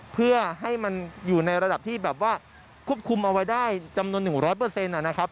เพื่อให้มันอยู่ในระดับที่แบบว่าควบคุมเอาไว้ได้จำนวน๑๐๐นะครับ